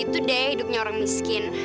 itu deh hidupnya orang miskin